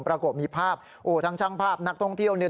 ปรากฏมีภาพทางช่างภาพนักท่องเที่ยว